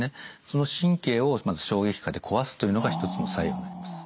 その神経をまず衝撃波で壊すというのが一つの作用になります。